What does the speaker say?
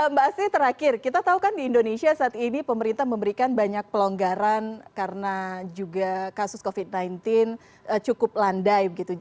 mbak astri terakhir kita tahu kan di indonesia saat ini pemerintah memberikan banyak pelonggaran karena juga kasus covid sembilan belas cukup landai begitu